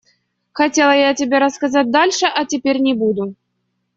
Хотела я тебе рассказать дальше, а теперь не буду.